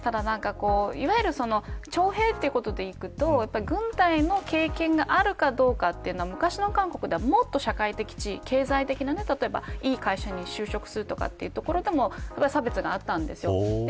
いわゆる徴兵ということでいくと軍隊の経験があるかどうかというのは昔の韓国では、もっと社会的地位、経済的にいい会社に就職するとかも差別があったんですよ。